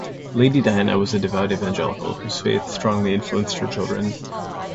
Lady Diana was a devout evangelical whose faith strongly influenced her children.